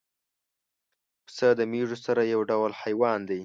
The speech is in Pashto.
پسه د مېږو سره یو ډول حیوان دی.